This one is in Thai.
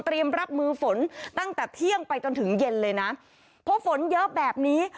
รับมือฝนตั้งแต่เที่ยงไปจนถึงเย็นเลยนะเพราะฝนเยอะแบบนี้